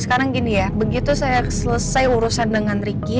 sekarang gini ya begitu saya selesai urusan dengan ricky